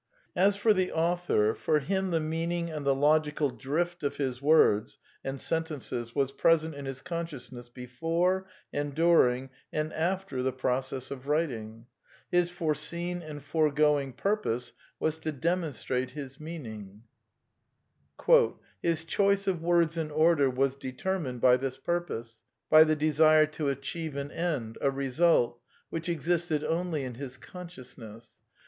As for the author, for him the meaning and the logical drift of his words and sentences was present in his con sciousness before and during and after the process of writ ing; his foreseen and foregoing purpose was to demon strate his meaning ; i SOME QUESTIONS OF PSYCHOLOGY 89 " his choice of words and order was determined by this purpose, by the desire to achieve an end, a result, which existed only in his consciousness.